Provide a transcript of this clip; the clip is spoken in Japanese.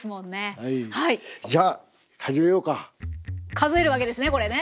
数えるわけですねこれね。